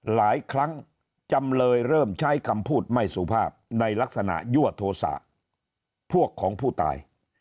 หลายครั้งจำเลยเริ่มใช้คำพูดไม่สุภาพในลักษณะยั่วโทษะพวกของผู้ตาย